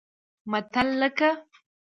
متل لکه